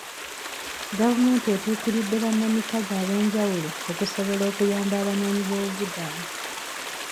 Gavumenti etuukiridde bannamikago ab'enjawulo okusobola okuyamba abanoonyiboobubudamu.